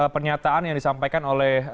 pernyataan yang disampaikan oleh